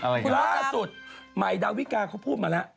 อะไรนะครับล่าสุดมายดาวิกาเขาพูดมาแล้ว